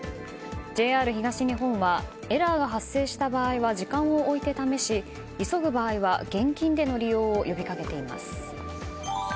ＪＲ東日本はエラーが発生した場合は時間を置いて試し急ぐ場合は、現金での利用を呼びかけています。